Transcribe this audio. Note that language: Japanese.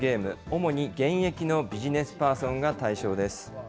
主に現役のビジネスパーソンが対象です。